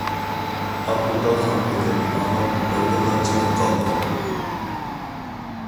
ئابدۇللا خان بۇ گەپنى ئاڭلاپ، بىردىنلا جىمىپ قالدى.